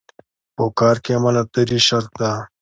په کار کې امانتداري شرط ده.